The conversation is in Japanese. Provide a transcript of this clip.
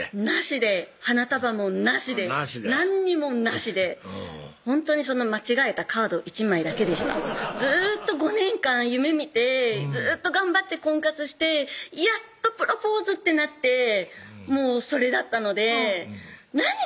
なしで花束もなしで何にもなしでほんとにその間違えたカード１枚だけでしたずっと５年間夢見てずっと頑張って婚活してやっとプロポーズってなってそれだったので何？